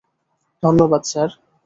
ধন্যবাদ, স্যার।